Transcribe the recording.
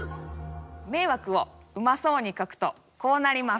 迷惑をうまそうに書くとこうなります。